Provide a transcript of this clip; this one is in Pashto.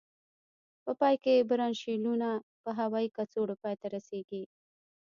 په پای کې برانشیولونه په هوایي کڅوړو پای ته رسيږي.